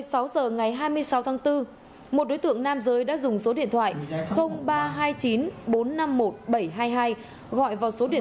một mươi sáu h ngày hai mươi sáu tháng bốn một đối tượng nam giới đã dùng số điện thoại ba trăm hai mươi chín bốn trăm năm mươi một bảy trăm hai mươi hai gọi vào số điện